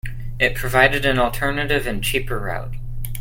It provided an alternative and cheaper route.